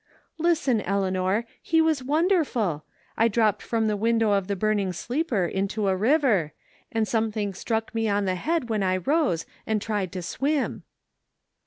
"Listen, Eleanor, he was wonderful. I dropped from the window of the burning sleeper into a river, and something struck me on the head when I rose and tried to swim."